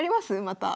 また。